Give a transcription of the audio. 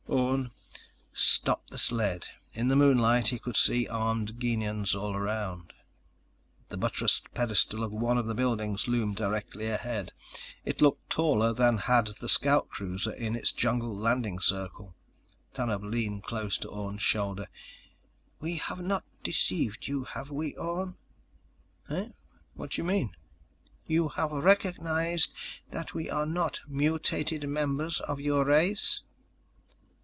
Orne stopped the sled. In the moonlight, he could see armed Gienahns all around. The buttressed pedestal of one of the buildings loomed directly ahead. It looked taller than had the scout cruiser in its jungle landing circle. Tanub leaned close to Orne's shoulder. "We have not deceived you, have we, Orne?" "Huh? What do you mean?" "You have recognized that we are not mutated members of your race."